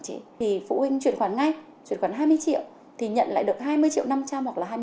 chị thì phụ huynh chuyển khoản ngay chuyển khoản hai mươi triệu thì nhận lại được hai mươi triệu năm trăm linh hoặc là